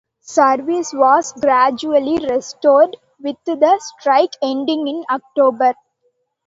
Service was gradually restored, with the strike ending in October.